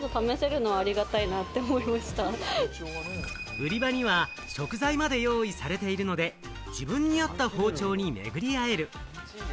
売り場には食材まで用意されているので、自分に合った包丁に巡り合える。